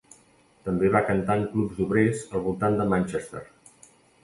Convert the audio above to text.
També va cantar en clubs d'obrers al voltant de Manchester.